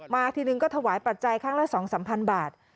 ทีนึงก็ถวายปัจจัยครั้งละ๒๓๐๐บาท